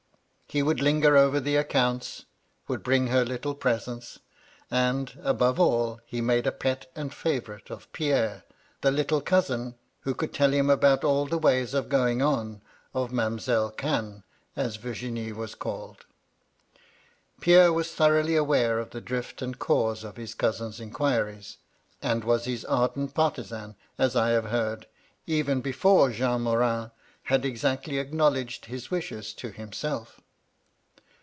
He would linger over the accounts; would bring her little presents; and, above all, he made a pet and favourite of Pierre, ' the little cousin who could tell him about all the ways of going on of Mam'selle Cannes, as Virginie was called. Pierre was thoroughly aware of the drift and cause of his cousin's inquiries; and was his ardent partisan, as I have heard, even before Jean Morin had exactly acknowledged his wishes to himself.